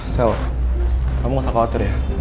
sel kamu gak usah khawatir ya